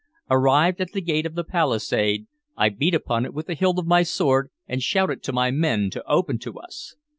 Arrived at the gate of the palisade, I beat upon it with the hilt of my sword, and shouted to my men to open to us.